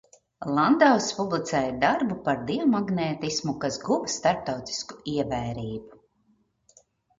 Landaus publicēja darbu par diamagnētismu, kas guva starptautisku ievērību.